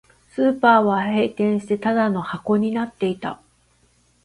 スーパーは閉店して、ただの箱になっていた